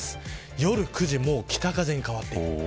夜９時、もう北風に変わります。